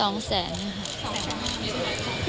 สองแสนนะคะ